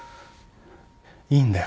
いいんだよ